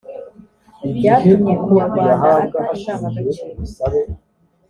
byatumye umunyarwanda ata indangagaciro